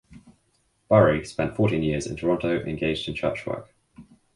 Burry spent fourteen years in Toronto engaged in church work.